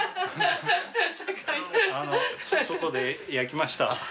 あの外で焼きました。